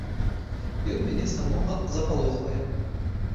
Ён мяне самога запалохвае.